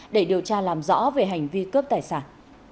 để điều tra làm rõ về hành vi cướp tài sản